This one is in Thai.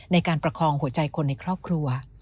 ในการประคองหัวใจคนในครอบครัว